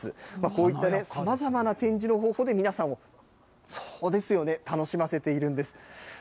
こういったさまざまな展示の方法で皆さんを楽しませているんです。